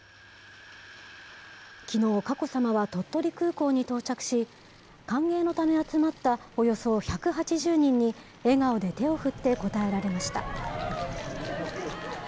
きのう、佳子さまは鳥取空港に到着し、歓迎のため集まったおよそ１８０人に、笑顔で手を振って応えられました。